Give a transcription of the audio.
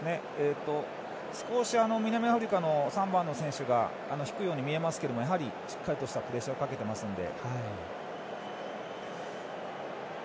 少し南アフリカの３番の選手が低いように見えますけれどもやはり、しっかりとプレッシャーをかけていますので。